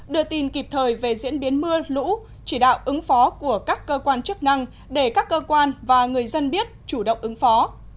đưa tin kịp thời về diễn biến mưa lũ chỉ đạo ứng phó của các cơ quan chức năng để các cơ quan và người dân biết chủ động ứng phó